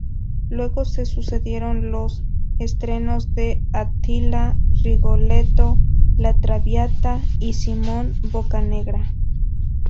Luego se sucedieron los estrenos de "Attila", "Rigoletto", "La Traviata" y "Simón Boccanegra".